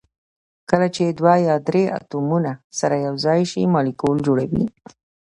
کله چې دوه یا ډیر اتومونه سره یو ځای شي مالیکول جوړوي